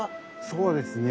そうですね。